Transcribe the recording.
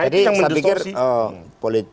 jadi saya pikir